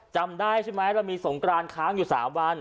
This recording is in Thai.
จำได้ใช่ไหมเรามีสงกรานค้างอยู่๓วัน